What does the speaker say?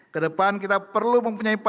ke depan kita perlu mempunyai pajak